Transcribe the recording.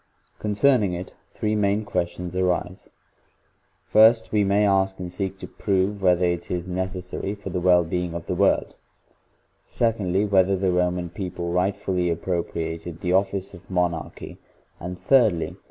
Concerning it three main ques tions arise. First, we may ask and seek to prove whether it is necessary for the well being * of the world ; secondly, whether the Roman people rightfully appropriated the office of Mon archy ; and thirdly, whether the authority of 6.